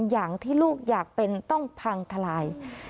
อย่างที่ลูกอยากเป็นต้องพังทลาย